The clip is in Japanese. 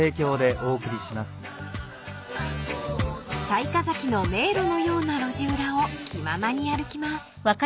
［雑賀崎の迷路のような路地裏を気ままに歩きます］